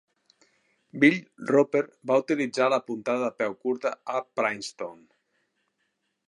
Bill Roper va utilitzar la puntada de peu curta a Princeton.